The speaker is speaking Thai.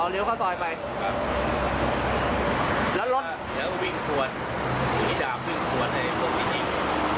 เลี้ยวเข้าซอยไปแล้วรถแล้ววิ่งสวดหรือดาบวิ่งสวดให้พวกมียิง